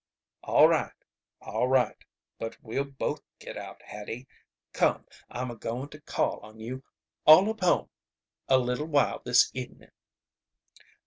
'" "All right. All right. But we'll both get out, Hattie. Come, I'm a goin' to call on you all up home a little while this evenin'!"